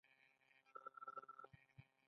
انګلیسانو بنګال ونیو.